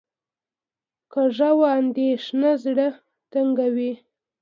کوږه اندېښنه زړه تنګوي